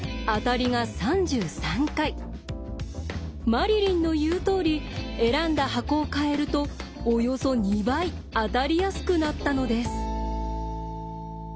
マリリンの言うとおり選んだ箱を変えるとおよそ２倍当たりやすくなったのです。